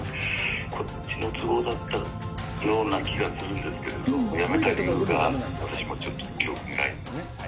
こっちの都合だったような気がするんですけど、やめた理由が、私もちょっと記憶にないんで。